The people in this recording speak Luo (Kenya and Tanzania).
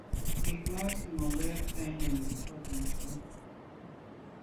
Gik ma otigo ber ka imedo e ripot machuok